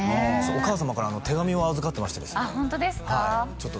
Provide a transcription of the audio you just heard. お母様からの手紙を預かってましてですねあっ